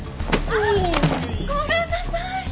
あっごめんなさい。